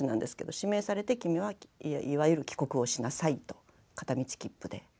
指名されて君はいわゆる帰国をしなさいと片道切符で。